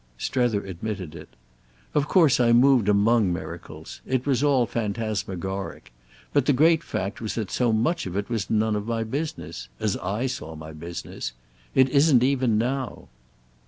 Strether admitted it. "Of course I moved among miracles. It was all phantasmagoric. But the great fact was that so much of it was none of my business—as I saw my business. It isn't even now."